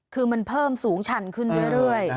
คือมันเพิ่มสูงชันขึ้นเรื่อย